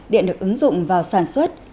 điện được ứng dụng vào sản xuất